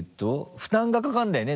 負担がかかるんだよね